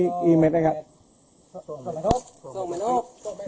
เหลืองเท้าอย่างนั้น